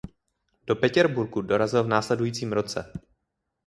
Do Petěrburgu dorazil v následujícím roce.